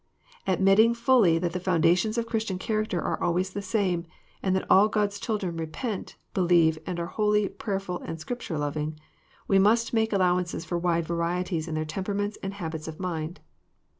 Admitting fully that the foundations of Christian character are always the same, and that all God's children repent, believe, are holy, prayerful, and Scripture loving, we must make al« lowances for wide varieties in their temperaments and habits of mind.